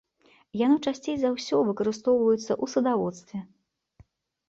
Яно часцей за ўсё выкарыстоўваецца ў садаводстве.